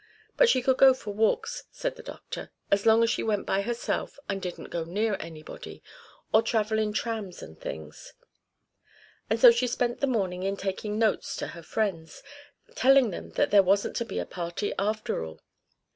But she could go for walks, said the doctor, as long as she went by herself and didn't go near anybody, or travel in trams and things; and so she spent the morning in taking notes to her friends, telling them that there wasn't to be a party after all.